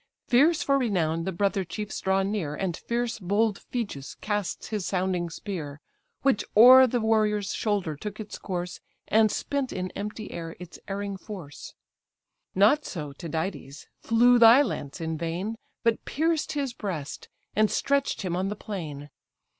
Fierce for renown the brother chiefs draw near, And first bold Phegeus cast his sounding spear, Which o'er the warrior's shoulder took its course, And spent in empty air its erring force. Not so, Tydides, flew thy lance in vain, But pierced his breast, and stretch'd him on the plain.